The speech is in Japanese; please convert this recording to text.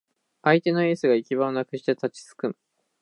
相手のエースが行き場をなくして立ちすくむ